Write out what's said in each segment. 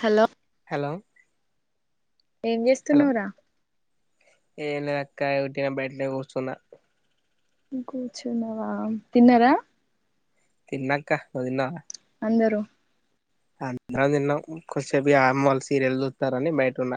Hello hello ఏం hello చేస్తున్నావురా. ఏం లే అక్క ఒట్టిగానే బయటనే కూర్చున్నా. కూర్చున్నావా తిన్నారా తిన్న అక్క నువ్వు తిన్నావా అందరూ అందరం తిన్నాం కొసేపూ అమ్మోల్ సీరియల్ చూస్తారని బయటన్న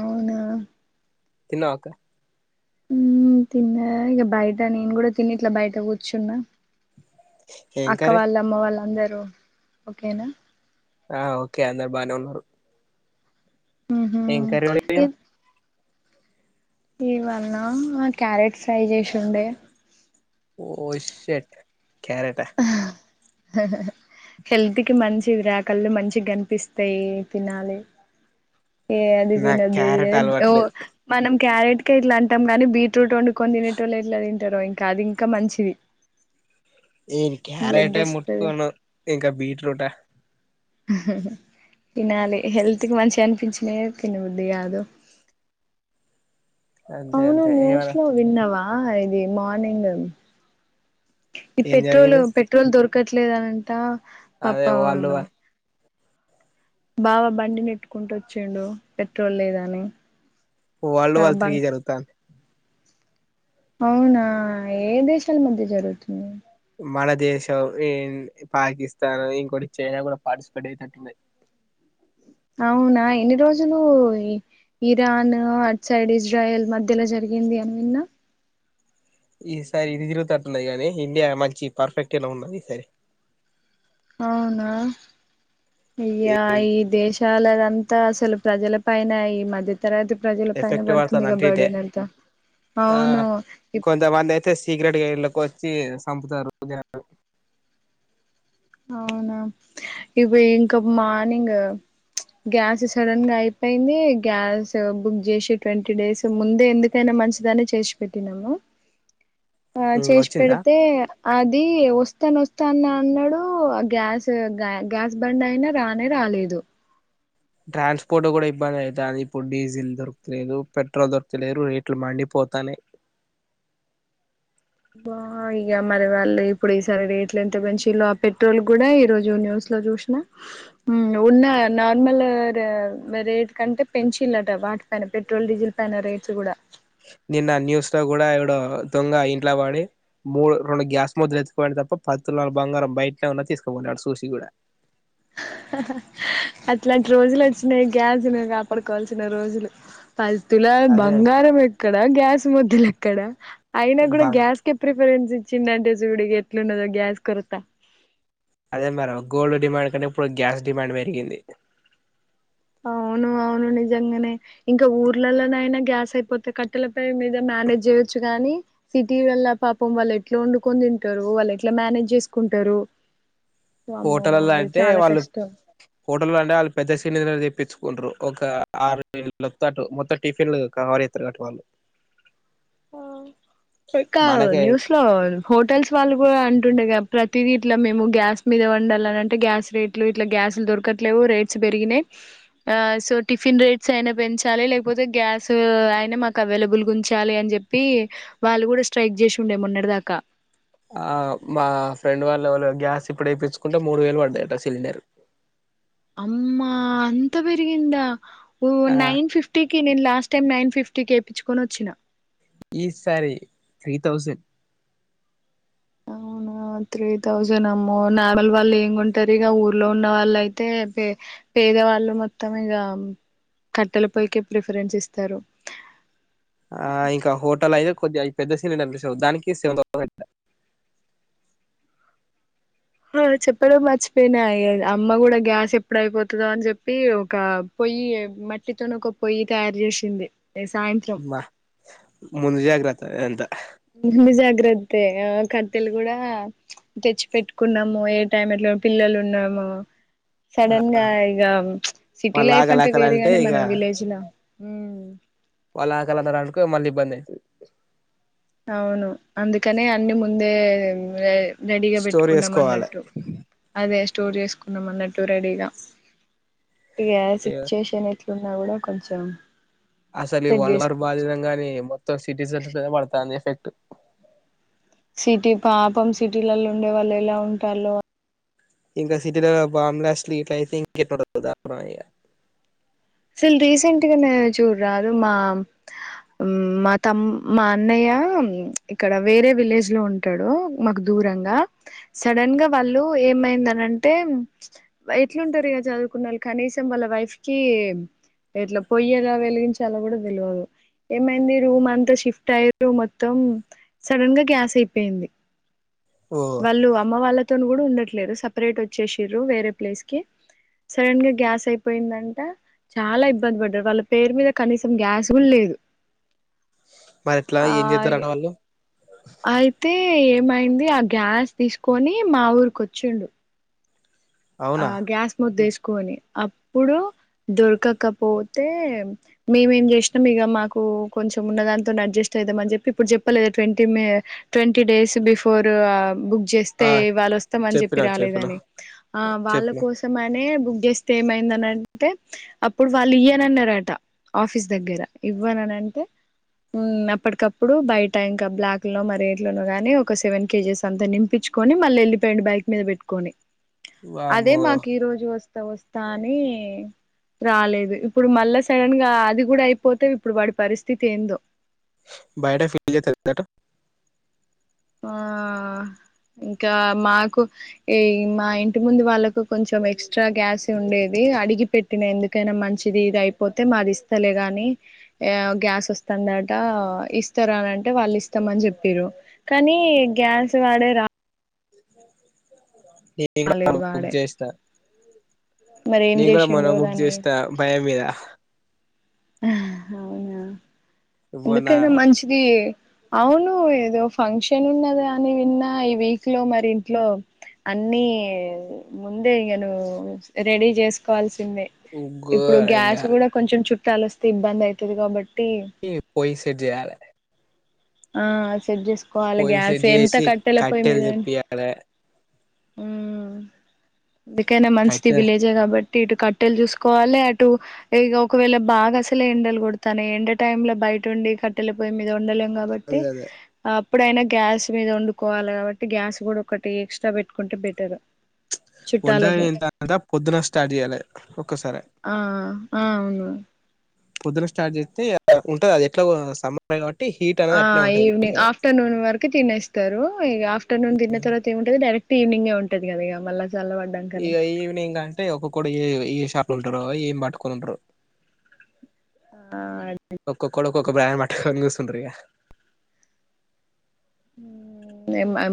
అవునా తిన్నావా అక్క తిన్నా ఇక బయట నేను కూడా తిని ఇట్లా బయట కూర్చున్నా ఏం అక్క కర్రీ వాళ్ళు అమ్మ వాళ్ళ అందరు ఓకేనా ఆ ఓకే అందరు బాగానే ఉన్నారు ఊహూ ఏంకా రవడిపోనా [inaudible] ఇవన్న ఆ క్యారెట్ ఫ్రై చేసిండే సెట్ క్యారెట్ హెల్త్కిి మంచి విరాకళ్లు మంచి కనిపిస్తాయి తినాలి ఏ అదిదిీన్ నాకు అద క్యారెట్ అలవట్లేదు మనం క్యారెట్ క ఇట్లా అంటాం గానీ బీట్రూట్ వండుకొని తినట వల్ల ఇట్లా తింటారు ఇంకా అది ఇంకా మంచిది ఏ క్యారెట్ బ్లడ్ వస్తది ముట్కును ఇంకా బీట్్రూట్ా తినాలి హెల్త్ కి మంచిగా అనిపించినా తనుద్ది కాదు అంతే అంతే ఇవళ ఆ ఇది మార్నింగ్ ఈ ఏం పెట్రోల్ జరిగింది పెట్రోల్ దొర్కు అక్కట్లేదునంట అదే వాళ్ళు బాబ బండినిెట్టుకుంటూ వచ్చాండు పెట్రోల్ లేదా అని వాళ్ల్డ్ వార్ త్రీ జరుగుతా అవునా ఏ దేశాల మధ్య జరుగుతుంది మన దేశం పాకిస్తాన్ ఇంకోటి చైనా కూడా పార్టిసిపేట్ చేసేతట్టున్నాది అవునా ఎన్ని రోజులు ఇరాన్ అట్ సైడ్ ఇజ్రాయల్ మధ్యలా జరిగింది అని విన్నా ఈసారి ఇటు తిరుగుతట్ ఉన్నది కానీ ఇండియా మంచి పర్ఫెక్ట్లా ఉన్నది ఈ సారి అవునా అయ్యా ఈ దేశ చాలా అంతా అసలు ప్రజల పైన ఈ మధ్య తరగతి ప్రజల పైన ఎఫెక్టివ్ పడుతుందిగా వడుతుందింటే బర్డెన్ అంతా ఆ అవును ఇప్ కొంతమంది అయితే సీక్రెట్గా ఇన్లకి వచ్చి చంపుతారు అవునా ఇవి ఇంక మార్నింగ్ గ్యాస్ సడన్ గా అయిపోయింది గ్యాస్ బుక్ చేసి ట్వంటీ డేస్ ముందే ఎందుకైనా మంచిదని చేసి పెట్టినాము ఆ చేసి వచ్చిందా పెడితే అది వస్తాను వస్తాన అన్నాడు గ్యాస్ గ్యాస్ బండ్ అయినా రానే రాలేదు ట్రాన్స్పోర్ట్ కూడా ఇబ్బంది అవుతుంది ఇప్పుడు డీజిల్ దొరక్తలేదు పెట్రోల్ దొరక్తలేదు రేట్లు మండిపోతానయి బా ఇక మరి వాళ్ళు ఇప్పుడు ఈసారి రేట్లు ఎంత పెంచిల్లో ఆ పెట్రోల్ కూడా ఈరోజు న్యూస్ లో చూసిన ఉన్న నార్మల్ రేట్ కంటే పెంచిల్లట వాటి పైన పెట్రోల్ డీజిల్ పైన రేట్స్ కూడా నిన్న న్యూస్ లో కూడా ఏవడో దొంగ ఇంట్లో బడి మూడు రెండు గ్యాస్ మొద్దులు ఎత్తుకుపోయిండు పది తులల బంగారం బయటనే ఉన్న తీసుకు పోల ఆడు చూసి కూడా అట్లాంటి రోజులు వచ్చినాయి గ్యాస్ని కాపాడుకోవాల్సిన రోజులు పది తులల అదే బంగారం పే ఎక్కడ గ్యాస్ మొద్దులు ఎక్కడ అయినా కూడా బా గ్యాస్ కె ప్రిఫరెన్స్ చిన్నంటే చూడు ఎట్లున్నదో గ్యాస్ కొరతా అదే మరో గోల్డ్ డిమాండ్ ఇప్పుడు గ్యాస్ డిమాండ్ పెరిగింది అవును అవును నిజంగానే ఇంకా ఊర్లలోనయినా గ్యాస్ అయిపోతే కట్టెల పోయి మీద మ్యానేజ్ చేయొచ్చు గాని సిటీ లల్ల పాపం వాళ్ళు ఎట్లా వండుకొని తింటారు వాళ్ళు ఎట్లా మ్యానేజ్ చేసుకుంటారు వామ్మో హోటలల్లో అది అయితే చాలా వాళ్ళు కష్టం హోటల్ల్ అంటే వాళ్ళు పెద్ద సిలిండర్ తెప్పి కుంట్టరు ఒక ఆరు నేల్లు తటు మొత్తం టిఫిన్లు కవర్ చేతారు కాబట్టి వాళ్ళు ఆ ఇంకా మనకే న్యూస్ లో హోటల్స్ వాళ్ళు కూడా అంటుండేగా ప్రతిది ఇట్లా మేము గ్యాస్ మీద వండాలని అంటే గ్యాస్ రేట్లు ఇట్లా గ్యాస్లు దొరకట్లేవు రేట్స్ పెరిగినాయి ఆ సో టిఫిన్ రేట్స్ అయినా పెంచాలి లేకపోతే గ్యాస్ అయినా మాకు అవైలబుల్గా ఉంచాలి అని చె చెప్పి వాళ్ళు కూడా స్ట్రైక్ చేసి ఉండే మొన్నటి దాకా ఆ మా ఫ్రెండ్ వాళ్ళ వాళ్ళ గ్యాస్ ఇప్పుడు వేపించుకుంటే మూడు వేలు పడ్డాయట సిలిండర్ అమ్మా అంత పెరిగిందా ఓ ఆ నైన్ ఫిఫ్టీకి నేను లాస్ట్ టైం నైన్ ఫిఫ్టీకె ఎపించుకొని వచ్చిన ఈ సారి త్రీ థౌసండ్ అవునా త్రీ థౌసండ్ అమ్మో నార్మల్ వాళ్ళు ఏం కొంటారు ఇగ ఊర్లో ఉన్న వాళ్ళు అయితే పె పేదవాళ్ళు మొత్తం ఇగ కట్టెల పోయి కె ప్రిఫరెన్స్ ఇస్తారు ఆ ఇంకా హోటల్ అయితే కొద్దిగా ఇది పెద్ద సిలిండర్ దానికి సెవెన్ థౌసండ్ ఆ చెప్పడం మర్చిపోయినా ఇగ అమ్మ కూడా గ్యాస్ ఎప్పుడైపోతదో అని చెప్పి ఒక పొయ్యి మట్టితోనే ఒక పొయ్యి తయారు చేసింది ఏ సాయంత్రం బా ముందు జాగ్ర త్త అదంతా ముందు జాగ్రత్త ఆ కట్టెలు కూడా తెచ్చి పెట్టుకున్నాము ఏ టైం ఎట్ల పిల్లలు ఉన్నాము సడన్ గా ఇగ ప్చ్ సిటీ వాళ్ళు లైఫ్ ఆకలి అంటే ఆకలి వేరే గాని మనం విలేజ్ లా ఉమ్ వాళ్ళ ఆకలి అన్నారనుకో మళ్ళీ ఇబ్బందయితది అవును అందుకనే అన్ని ముందే రె రెడీగా స్టోర్ పెట్టుకున్నాం చేసుకోవాలి అన్నట్టు అదే స్టోర్ చేసుకున్నాం అన్నట్టు రెడీగా ఇగ సిచ్చువేషన్ ఎట్లు ఉన్నా కూడా కొంచెం అసలు ఈ సెట్ వరల్డ్ వార్ చేసుకోవచ్చు బాధిదంగా గానే ఈ మొత్తం సిటిజన్ [inaudible] పడతాంది ఎఫెక్ట్ సిటీ పాపం సిటీలలో ఉండే వాళ్ళు ఎలా ఉంటాలో ఇంకా సిటీలో బాంబ్ బ్లాస్ట్లు గిట్లా అయితే ఇంకా ఎట్ల ఉంటాదో దారుణం ఇగ అసలు రీసెంట్గా నే చూడ రాదు మా మా తమ్ మా అన్నయ్య ఇక్కడ వేరే విలేజ్ లో ఉంటాడు మాకు దూరంగా సడన్ గా వాళ్ళు ఏమైందనంటే ఎట్లుంటారు ఇక చదువుకున్న వాళ్ళు కనీసం వాళ్ళ వైఫ్ కి ఎట్లా పొయ్యి ఎలా వెలిగించాలో కూడా తెలవదు ఏమైంది రూమ్ అంతా షిఫ్ట్ అయ్యారు మొత్తం సడన్ గా గ్యాస్ అయిపోయింది ఓ వాళ్ళు అమ్మ వాళ్ళ తోని కూడా ఉండట్లేదు సపరేట్ వచ్చేసిర్రు వేరే ప్లేస్ కి సడన్ గా గ్యాస్ అయిపోయిందంట చాలా ఇబ్బంది పడ్డారు వాళ్ళ పేరు మీద కనీసం గ్యాస్ కూడా లేదు మరి ఎట్లా ఆ ఏం చేద్దరు ఆడవాళ్ళు అయితే ఏమైంది ఆ గ్యాస్ తీసుకొని మా ఊరిక వచ్చిండు ఆ అవునా గ్యాస్ ముద్ద కుని అప్పుడు దొరకకపోతే మేమేం చేసినాం ఇక మాకు కొంచెం ఉన్న దాంతోనీ అడ్జస్ట్ అయిదాం అని చెప్పి ఇప్పుడు చెప్పలేదు ట్వీ ట్వంటీ డేస్ బిఫోర్ బుక్ ఆ చేస్తే వాళ్ళు వస్తామని చెప్పి చెప్పినా చెప్పినా రాలేదని ఆ వాళ్ళ చెప్పినా కోసం అ బుక్ చేస్తే ఏమైందనంటే అప్పుడు వాళ్ళు ఇయ్యనన్నారట ఆఫీస్ దగ్గర ఇవ్వనన అంటే అప్పటికప్పుడు బయట ఇంకా బ్లాక్ లో మరి ఎట్లనో కానీ ఒక సెవెన్ కేజెస్ అంతా నింపించుకొని మళ్ళీ వెళ్ళిపోయిండు బైక్ మీద పెట్టుకొని అదే వామ్మో మాకు ఈ రోజు వస్త వస్తా అని రాలేదు ఇప్పుడు మళ్ళా సడన్ గా అది కూడా అయిపోతే ఇప్పుడు వాడి పరిస్థితి ఏందో బయిట [unintelligible] ఆ ఇంకా మాకు ఈ మా ఇంటి ముందు వాళ్ళకు కొంచెం ఎక్స్ట్రా గ్యాస్ ఉండేది అడిగి పెట్టిన ఎందుకైనా మంచిది ఇది అయిపోతే మాది ఇస్తలే గాని గ్యాస్ వస్తుందట ఇస్తారా అనింటే వాళ్ళు ఇస్తామని చెప్పిరు కానీ గ్యాస్ వాడే రా నేను కూడా రాలేదు బుక్ వాడే చేసినా మరి ఏం నేను కూడా మొన్న చేసిండో ముక్ దాన్ని చేస్తా భయం మీద అవునా మొన్న ఎందుకైనా మంచిది అవును ఏదో ఫంక్షన్ ఉన్నదాని విన్నా ఈ వీక్ లో మరి ఇంట్లో అన్ని ముందే ఇకను రెడీ జేసుకోవాల్సి ఇప్పుడు గ్యాస్ ఘోరంగా గూడా కొంచెం లొస్తే ఇబ్బందయితుంది కాబ ఈ పోయి సెట్ జెయ్యాలె ఆ సెట్ జె కోళ గ్యాస్ సెట్ ఎంత చేసి కట్టెలపోయి కట్టెలు మీద తెప్పియాలె ఉ కైనా మంచిది కట్టె విలేజా ఇ ఇటు కట్టెలు జూసుకోవాలి అటు ఇక ఒకవేళ బాగా అసలే ఎండలు కొడా ఎండ టైమ్ లో బయట ఉండి కట్టెలు పోయయి మీద వండలు తే అదే అదే ఆ ఎప్పుడైనా గ్యాస్ మీద వండుకోవాలి గాబట్టి గ్యాస్ కూడా ఒకటి ఎక్స్ట్రా పెట్టుకుంటే బెటర్ చుట్టాలకు వంటంతంత పొద్దున స్టార్ట్ జెయ్యాలె ఒక్కసారి ఆ ఆ అవును పొద్దున స్టార్ట్ జేస్తే ఇగ ఉంటది అది ఎట్లా సమయం కాట్టి ఆ ఈవనింగ్ ఆఫ్టర్నూన్ వరకు తినేస్తారు ఇగ ఆఫ్టర్నూ తన్న తర్వా ఏమింటది డైరక్ట్ ఈవినింగ్ ఉంటది గదా ఇగ మళ్ళా చల్లబడ్డాకనే ఇగ ఈవనింగ్ అంటే ఒక్కొక్కడు ఏ ఏ షాప్ లో ఉంటరో ఏం పట్టుకొని ఉంటారో ఆ ఒక్క కొ ఒక బ్రాన్ బట్టుకొని కూసుంటరిగా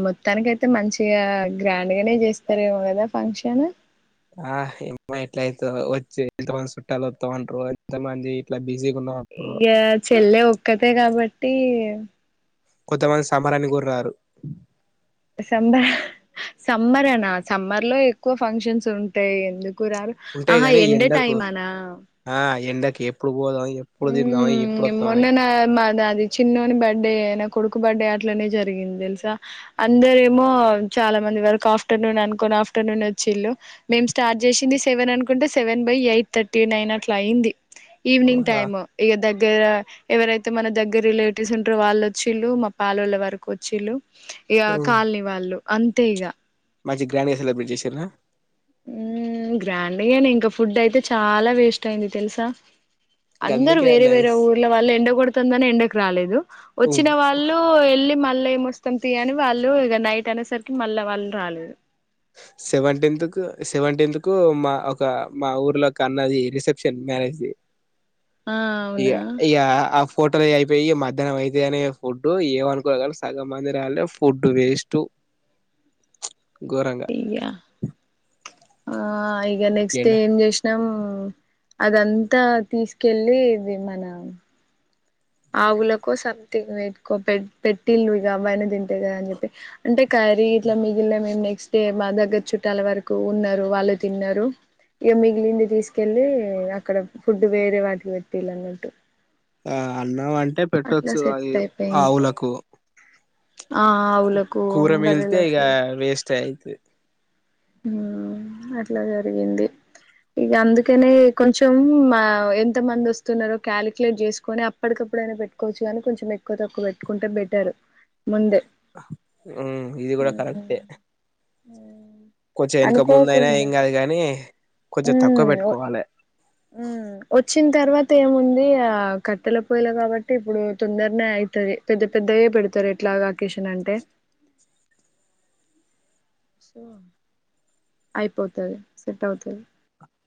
మొత్తానికయితే మంచిగా గ్రాండ్గానే జేస్తారేమో గదా ఫంక్షన్ ఆ ఏమ్మా ఎట్లయితే వచ్చి ఎంతమంది చుట్టాలు వస్తామంటారు ఎంతమంది ఇట్లా బిజీగా ఉన్నాం అంటారో ఇంగ చెల్లె ఒక్కతే కాబ ట్టి కొంతమంది సంబరాన్ని గురారు సమ్బర్ సమ్మరనా సమ్మర్ లో ఎక్కువ ఫంక్షన్స్ ఉంటాయి ఎందుకు కు రారు ఉంటాయి ఆహా గాని ఎండ టైమనా కెప్పు ఉ మొన్న నా మా అది చిన్నోని బర్త్డే నా కొడుకు బర్త్డే అట్లనే జరిగింది తెలుసా అందర ఏమో చాలా మంది వరకు ఆఫ్టర్నూన్ అనుకోని ఆఫ్టర్నూన్ వచ్చిళ్ళు మేం స్టార్ట్ చేసింది సెవెన్ అనుకుంటే seven by eight thirty nine అట్లా అయింది ఈవినింగ్ టైమ్ ఏ ఏద్దగ దగ్గర ఎవరైతే మన దగ్గర రిలేటివ్స్ ఉంటారో వాళ్ళు వచ్చిళ్ళు మా పాలొల వరకు వచ్చేళ్ళు ఇగ కాలని వాళ్ళు అంతేగా మంచిగా గ్రాండ్గా సెలబ్రేట్ చేశార గ్రాండ్గాని ఇంకా ఫుడ్ అయితే చాలా వేస్ట్ అయింది తెలుసా అందరు గందుకే వేరే వేరే నైస్ ఊర్ల వాళ్ ఎండ కొడత ంద ఎం రాలేదు వచ్చిన వాళ్ళు వెళ్ళి మళ్ ఏం వస్తాం తి అని వాళ్ళు ఇక నైట్ అనేసరికి మళ్ళా వాళ్ళు రాలేదు సెవెంటీన్త్ కు సెవెంటీన్త్ కు మా ఒక మా ఊర్లోకి అన్నది రిసెప్షన్ మ్యారేజ్ ది ఆ అవునా యా ఈ యా మ అయిపోయి మధ్యాహ్నం అయితేనే ఫుడ్డు ఏమనుకో క సగం మంది రళ్లే ఫుడ్ వేస్ట్ ఘోరంగా యా ఆ ఇక నెక్స్ట్ డే ఎండ ఏం చేసినాం అదంతా తీసుకెళ్ళి మన ఆవుకో సంథింగ్ ఎట్టుకో పెట్టి పెట్టిళ్ళు ఇక అవ్వయినా తింటేయ్ కదా అని చెప్పి అంటే కరీ ఇట్లా మిగిలిన మేము నెక్ హే మా దగ్గర చుట్టాల్ వరకు ఉన్నారు వాళ్ళు తిన్నారు ఇక మిగిలింది తీసుకెళ్ళి అక్కడ ఫుడ్ వేరే వాటికి పెట్టీలు అన్నట్టు ఆ అన్నం అంటే అట్లా పెట్టొచ్చు అవి సెట్ అయిపోయింది ఆవులకు ఆ ఆవులకు బరలకు ది ఆ అట్లా జరిగింది ఇక అందుకనే కొంచెం ఆ ఎంత మంది వస్తున్నారో క్యాలిక్యులేట్ చేసుకొని అప్పటికప్పుడైనా పెట్టుకోవచ్చు కానీ కొంచెం ఎక్కువ తక్కువ పెట్టుకుంటే బెటర్ ముందే ఉ ఇది కూడా కరక్టే కొంచెం వెనక ముందు అయినా అనుకోకుండా ఏం కాదు గాని కొంచెం తక్కువ ఉమ్ పెట్టుకోవాలే ఉమ్ వచ్చిన తర్వాత ఏముంది ఆ కట్టెల పోయలా కాబట్టి ఇప్పుడు తొందరనే అయితది పెద్ద పెద్దయి పెడతారు ఎట్లాగా ఆకేషన్ అంటే సో అయిపోతది సెట్ అవుతది